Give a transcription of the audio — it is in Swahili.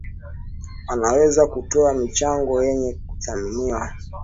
wanaweza kutoa michango yenye kuthaminiwa